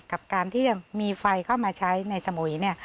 กับการที่จะมีไฟเข้ามาใช้ในสมุย